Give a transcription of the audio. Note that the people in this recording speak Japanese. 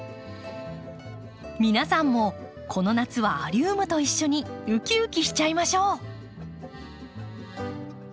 皆さんもこの夏はアリウムと一緒にウキウキしちゃいましょう！